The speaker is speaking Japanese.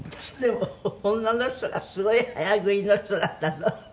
でも女の人がすごい早食いの人だったら？